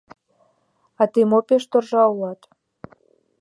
А тый мо пеш торжа улат?